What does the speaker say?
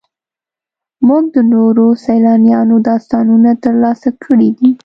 موږ د نورو سیلانیانو داستانونه ترلاسه کړي دي.